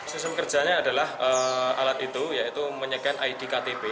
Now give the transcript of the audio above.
sistem kerjanya adalah alat itu yaitu menyekian id ktp